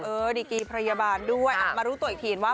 เออดีกี่พยาบาลด้วยอ่ะมารู้ตัวอีกทีเห็นว่า